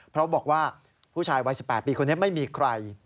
เพราะบอกว่าผู้ชายวัย๑๘ปีคนนี้ไม่มีใคร